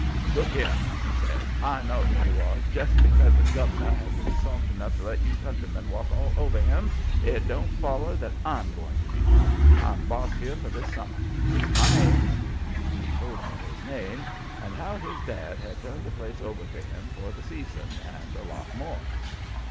"'Look here!' he says. 'I know who you are. Just because the gov'ner has been soft enough to let you countrymen walk all over him, it don't foller that I'm going to be. I'm boss here for this summer. My name's ' He told me his name, and how his dad had turned the place over to him for the season, and a lot more.